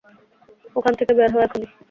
ওখান থেকে বের হও এখনই।